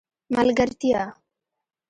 ملګرتیا